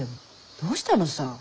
どうしたのさ？